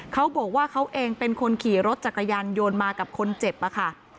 เขาบอกว่าเขาเองเป็นคนขี่รถจักรยานโยนมากับคนเจ็บอะค่ะ